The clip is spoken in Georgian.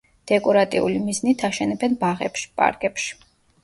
დეკორატიული მიზნით აშენებენ ბაღებში, პარკებში.